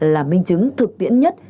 là minh chứng thực tiễn nhất